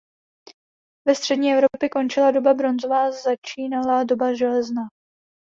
Ve střední Evropě končila doba bronzová a začínala doba železná.